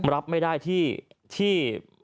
รับไม่ได้ที่